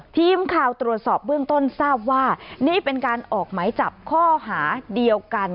ทีมข่าวตรวจสอบเบื้องต้นทราบว่านี่เป็นการออกหมายจับข้อหาเดียวกัน